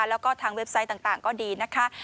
แล้วก็ทางเว็บไซต์ต่างก็ดีนะคะ